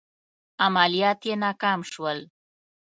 عملیات یې ناکام شول.